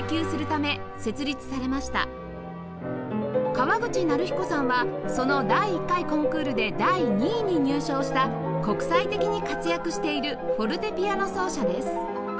川口成彦さんはその第１回コンクールで第２位に入賞した国際的に活躍しているフォルテピアノ奏者です